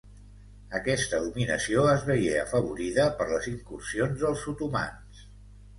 Aquesta dominació es veié afavorida per les incursions dels otomans.